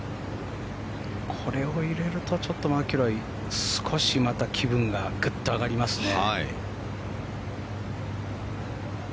これを入れるとマキロイ少し気分がグッと上がりますね。